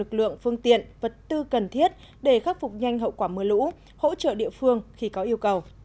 lực lượng phương tiện vật tư cần thiết để khắc phục nhanh hậu quả mưa lũ hỗ trợ địa phương khi có yêu cầu